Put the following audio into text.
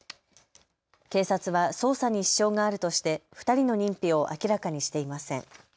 警察は捜査に支障があるとして２人の認否を明らかにしていません。